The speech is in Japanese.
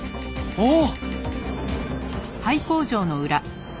あっ！